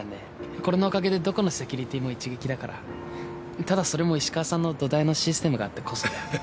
これのおかげでどこのセキュリティーも一撃だからただそれも石川さんの土台のシステムがあってこそだよ